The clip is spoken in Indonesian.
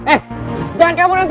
eh jangan kabur nt